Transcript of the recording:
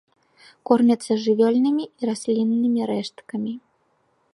Кормяцца жывёльнымі і расліннымі рэшткамі.